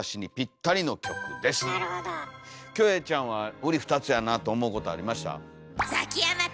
キョエちゃんはうり二つやなと思うことありました？